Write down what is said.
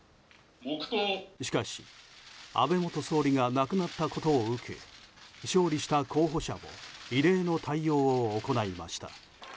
しかし、安倍元総理が亡くなったことを受け勝利した候補者も異例の対応を行いました。